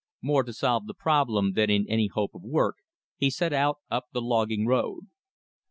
More to solve the problem than in any hope of work, he set out up the logging road.